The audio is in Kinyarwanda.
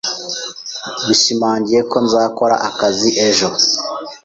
Bashimangiye ko nzakora akazi ejo.